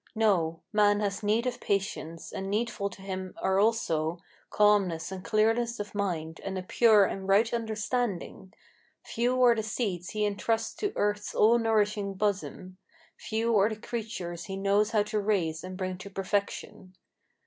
No: man has need of patience, and needful to him are also Calmness and clearness of mind, and a pure and right understanding. Few are the seeds he intrusts to earth's all nourishing bosom; Few are the creatures he knows how to raise and bring to perfection.